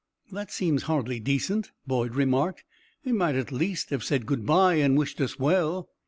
"That seems hardly decent," Boyd remarked. "He might at least have said good bye and wished us well."